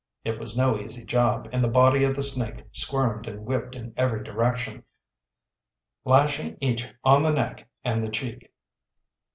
It was no easy job and the body of the snake squirmed and whipped in every direction, lashing each on the neck and the cheek.